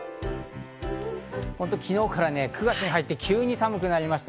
昨日から９月に入って急に寒くなりました。